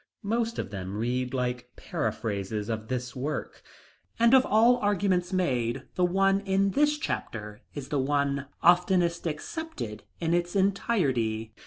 Most of them read like paraphrases of this work. And of all arguments made, the one in this chapter is the one oftenest accepted in its entirety.